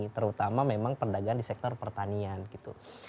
terutama memang perdagangan di sektor pertanian gitu